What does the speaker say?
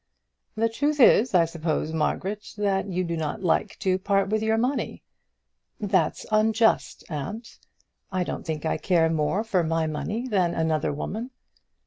"The truth is, I suppose, Margaret, that you do not like to part with your money." "That's unjust, aunt. I don't think I care more for my money than another woman."